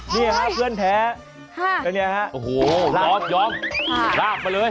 นี่ครับเพื่อนแท้เป็นอย่างนี้ครับลาฟมาเลยลากมาเลย